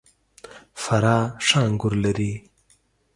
فراه ښه انګور لري .